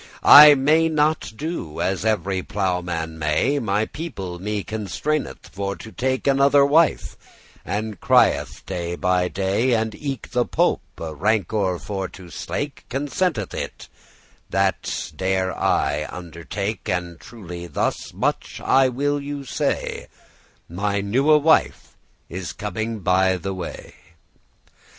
"I may not do as every ploughman may: My people me constraineth for to take Another wife, and cryeth day by day; And eke the Pope, rancour for to slake, Consenteth it, that dare I undertake: And truely, thus much I will you say, My newe wife is coming by the way.